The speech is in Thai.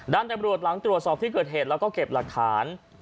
ตำรวจหลังตรวจสอบที่เกิดเหตุแล้วก็เก็บหลักฐาน